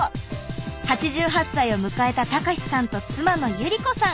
８８歳を迎えた隆さんと妻の百合子さん。